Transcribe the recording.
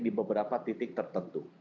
di beberapa titik tertentu